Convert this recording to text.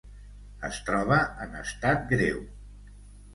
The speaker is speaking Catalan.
Es troba en estat greu.